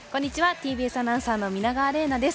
ＴＢＳアナウンサーの皆川玲奈です。